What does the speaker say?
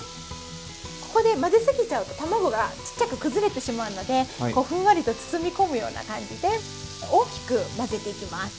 ここで混ぜ過ぎちゃうと卵がちっちゃく崩れてしまうのでこうふんわりと包み込むような感じで大きく混ぜていきます。